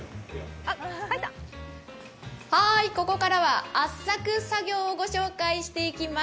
ここからは圧搾作業をご紹介していきます。